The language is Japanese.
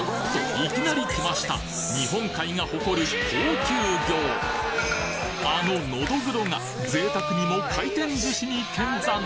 いきなり来ました日本海が誇る高級魚あののどぐろが贅沢にも回転寿司に見参！